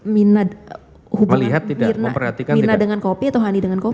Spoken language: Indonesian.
minah hubungan mirna dengan kopi atau hani dengan kopi